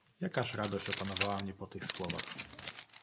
"Jakaż radość opanowała mnie po tych słowach!"